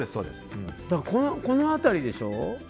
だから、この辺りでしょ。